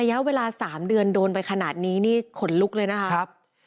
ระยะเวลา๓เดือนโดนไปขนาดนี้นี่ขนลุกเลยนะครับ